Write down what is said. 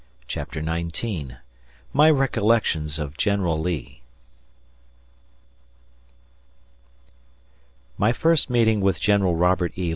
CHAPTER XIX MY RECOLLECTIONS OF GENERAL LEE MY first meeting with General Robert E.